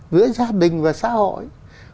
giữa gia đình và xã hội